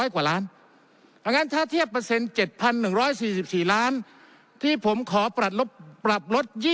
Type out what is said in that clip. ๑๒๐๐กว่าล้านอังกฤษเทียบเปอร์เซ็นต์๗๑๔๔ล้านที่ผมขอปรับลบปรับลด